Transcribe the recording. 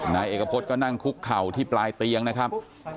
นายเอกพฤษก็นั่งคุกเข่าที่ปลายเตียงนะครับ